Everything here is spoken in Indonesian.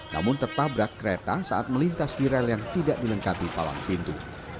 namun tertabrak kereta saat melintas di rel yang tidak dilengkapi palang pintu